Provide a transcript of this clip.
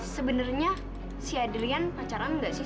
sebenarnya si adrian pacaran nggak sih